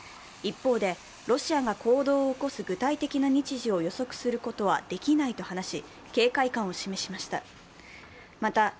一方で、ロシアが行動を起こす具体的な日時を予測することはできないと話し、警戒感を示しました。